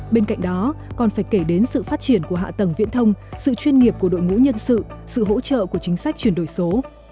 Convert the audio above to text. bên cạnh đó còn phải kể đến sự phát triển của hạ tầng viễn thông sự chuyên nghiệp của đội ngũ nhân sự sự hỗ trợ của chính sách chuyển đổi số